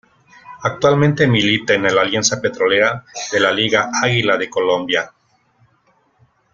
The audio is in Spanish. Actualmente milita en el Alianza Petrolera de la Liga Águila de Colombia.